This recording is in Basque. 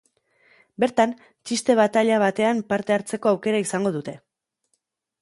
Bertan, txiste-bataila batean parte hartzeko aukera izango dute.